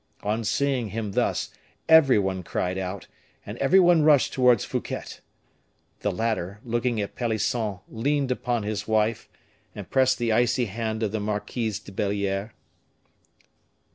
On seeing him thus, every one cried out, and every one rushed towards Fouquet. The latter, looking at Pelisson, leaned upon his wife, and pressed the icy hand of the Marquise de Belliere.